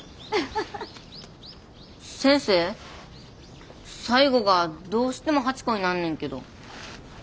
先生最後がどうしても８個になんねんけど。